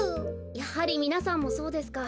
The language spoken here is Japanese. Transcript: やはりみなさんもそうですか。